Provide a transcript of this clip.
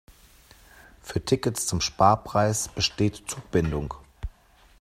Für Tickets zum Sparpreis besteht Zugbindung.